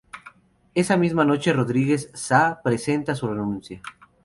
Esa misma noche Rodríguez Saá presenta su renuncia.